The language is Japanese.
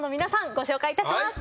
ご紹介いたします。